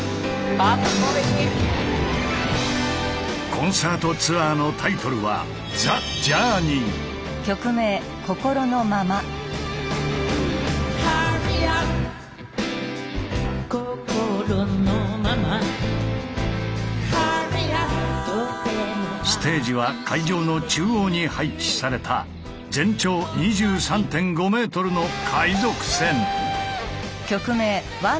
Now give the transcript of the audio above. コンサートツアーのタイトルは「Ｈｕｒｒｙｕｐ心のまま」ステージは会場の中央に配置された全長２３．５ｍの海賊船。